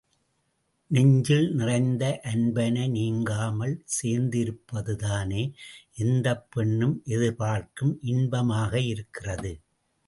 நெஞ்சில் நிறைந்த அன்பனை நீங்காமல் சேர்ந்திருப்பதுதானே எந்தப் பெண்ணும், எதிர்பார்க்கும் இன்பமாக இருக்கிறது!